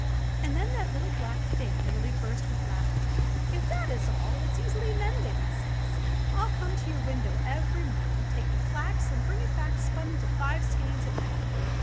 And then that little, black Thing nearly burst with laugh ing. "If that is all, it's easy mended !" it says. "I'll come to your window every morning, take the flax and bring it back spun into five skeins at night.